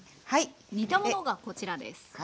煮たものがこちらです。